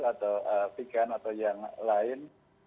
saya tidak mengerti kan atau yang lain